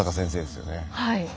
はい。